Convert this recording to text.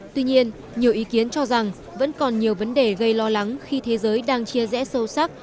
tuy nhiên nhiều ý kiến cho rằng vẫn còn nhiều vấn đề gây lo lắng khi thế giới đang chia rẽ sâu sắc